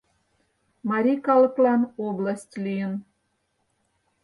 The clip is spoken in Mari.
Марий калыклан область лийын.